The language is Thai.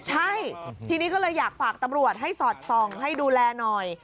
ใช่ทีนี้ก็เลยอยากฝากตำรวจให้สอดส่องให้ดูแลหน่อย